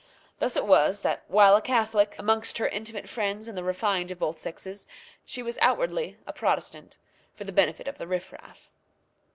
Thus it was that while a Catholic amongst her intimate friends and the refined of both sexes, she was outwardly a Protestant for the benefit of the riffraff.